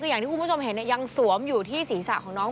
อย่างที่คุณผู้ชมเห็นยังสวมอยู่ที่ศีรษะของน้อง